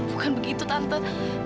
bukan begitu tante